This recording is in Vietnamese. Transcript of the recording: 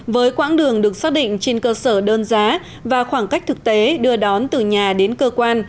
với quãng đường được xác định trên cơ sở đơn giá và khoảng cách thực tế đưa đón từ nhà đến cơ quan